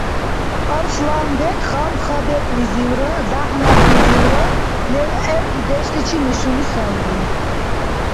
Арсланбег хамха-бекӀлизивра дяхӀ-някълизивра левгӀев дудешличи мешули сайри